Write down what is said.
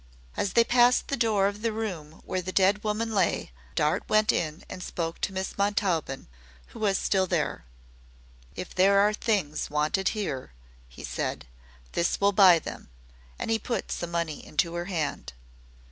As they passed the door of the room where the dead woman lay Dart went in and spoke to Miss Montaubyn, who was still there. "If there are things wanted here," he said, "this will buy them." And he put some money into her hand.